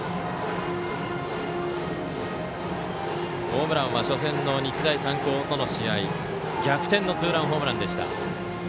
ホームランは初戦の日大三高との試合逆転のツーランホームランでした。